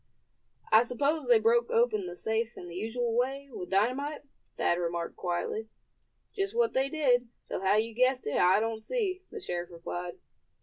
"I suppose they broke open the safe in the usual way, with dynamite?" Thad remarked, quietly. "Just what they did, though how you guessed it I don't see," the sheriff replied.